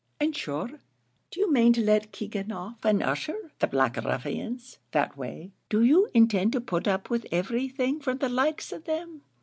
"And shure do you mane to let Keegan off, and Ussher, the black ruffians, that way; do you intend to put up with everything from the likes of them?